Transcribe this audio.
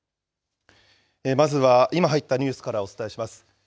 まずは今入ったニュースからお伝えします。